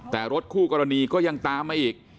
แต่รถคู่กรณีก็ยังตามมาอีก